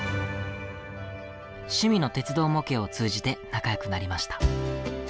趣味の鉄道模型を通じて仲良くなりました。